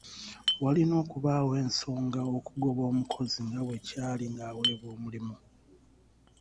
Walina okubaawo ensonga okugoba omukozi nga bwe kyali nga aweebwa omulimu.